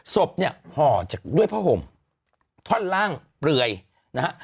ศพเนี่ยห่อจากด้วยผ้าห่มท่อนล่างเปลือยนะฮะ